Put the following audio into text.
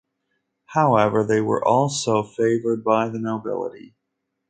However they were also favoured by the nobility.